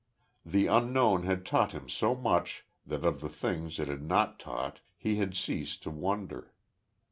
The Unknown had taught him so much that of the things it had not taught, he had ceased to wonder....